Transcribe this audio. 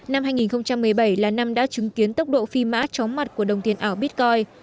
năm hai nghìn một mươi bảy là năm đã chứng kiến tốc độ phi mã chóng mặt của đồng tiền ảo bitcoin